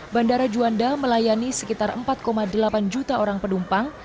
bandara juanda melayani sekitar empat delapan juta orang penumpang